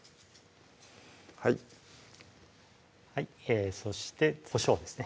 はいそしてこしょうですね